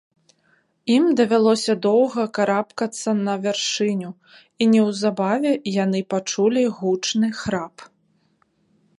Ім давялося доўга карабкацца на вяршыню, і неўзабаве яны пачулі гучны храп.